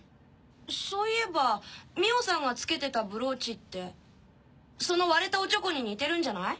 そういえば美緒さんがつけてたブローチってその割れたオチョコに似てるんじゃない？